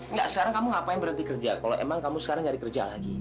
nggak sekarang kamu ngapain berhenti kerja kalau emang kamu sekarang nggak dikerja lagi